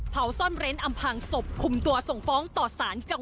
เผาซ่อนเร้นอำพังศพคุมตัวส่งฟ้องต่อสารจังหวัด